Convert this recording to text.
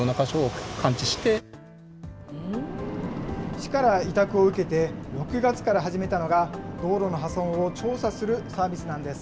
市から委託を受けて、６月から始めたのが、道路の破損を調査するサービスなんです。